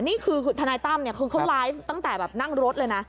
นี่คือทนายตั้มเขาไลฟ์ตั้งแต่นั่งรถเลยนะ